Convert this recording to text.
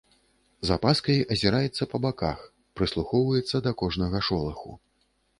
З апаскай азіраецца па баках, прыслухоўваецца да кожнага шолаху.